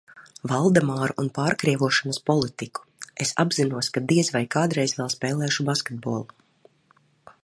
Valdemāru un pārkrievošanos politiku. Es apzinos, ka diez vai kādreiz vēl spēlēšu basketbolu.